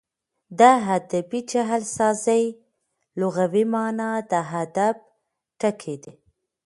د ادبي جعلسازۍ لغوي مانا د ادب ټګي ده.